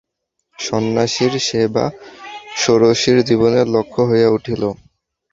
সন্ন্যাসীর সেবা ষোড়শীর জীবনের লক্ষ্য হইয়া উঠিল।